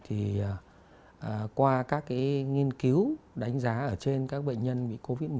thì qua các cái nghiên cứu đánh giá ở trên các bệnh nhân bị covid một mươi